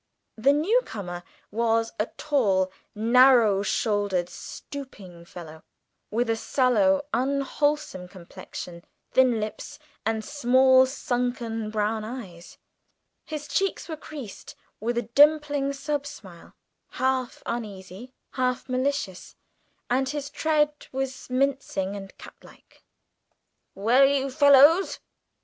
The new comer was a tall, narrow shouldered, stooping fellow, with a sallow, unwholesome complexion, thin lips, and small sunken brown eyes. His cheeks were creased with a dimpling subsmile, half uneasy, half malicious, and his tread was mincing and catlike. "Well, you fellows?"